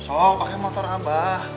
sok pakai motor abah